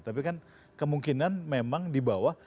tapi kan kemungkinan memang di bawah